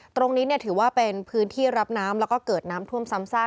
ตรงนี้ถือว่าเป็นพื้นที่รับน้ำแล้วก็เกิดน้ำท่วมซ้ำซาก